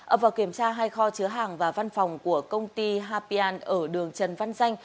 ập vào kiểm tra hai kho chứa hàng và văn phòng của công ty hapian ở đường trần văn danh